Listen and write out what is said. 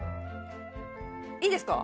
いいですか？